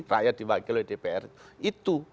rakyat diwakili dpr itu